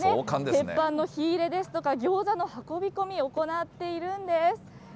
鉄板の火入れですとか、ギョーザの運び込み、行っているんです。